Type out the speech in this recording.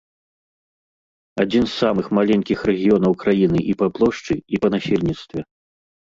Адзін з самых маленькіх рэгіёнаў краіны і па плошчы, і па насельніцтве.